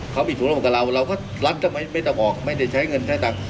เขามีส่วนร่วมกับเราเราก็รัฐก็ไม่ต้องออกไม่ได้ใช้เงินใช้ตังค์